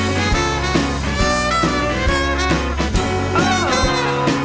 สปาเกตตี้ปลาทู